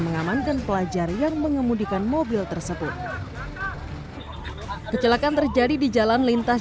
mengamankan pelajar yang mengemudikan mobil tersebut kecelakaan terjadi di jalan lintas